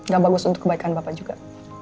gak bagus untuk kebaikan bapak juga